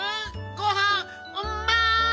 ごはんうまい！